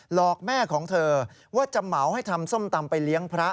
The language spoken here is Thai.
หลอกแม่ของเธอว่าจะเหมาให้ทำส้มตำไปเลี้ยงพระ